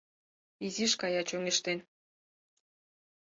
Изиш кая чоҥештен...